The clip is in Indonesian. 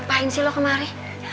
ngapain sih lo kemari